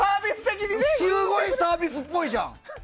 すごいサービスっぽいじゃん。